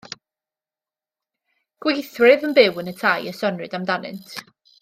Gweithwyr oedd yn byw yn y tai y soniwyd amdanynt.